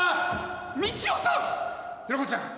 みちおさんひろこちゃん